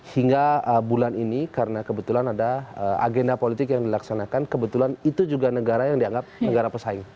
hingga bulan ini karena kebetulan ada agenda politik yang dilaksanakan kebetulan itu juga negara yang dianggap negara pesaing